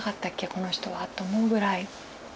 この人は」と思うぐらい。